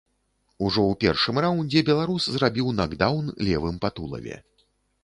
Ужо ў першым раўндзе беларус зрабіў накдаўн левым па тулаве.